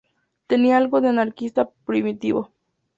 Tenía algo de anarquista primitivo.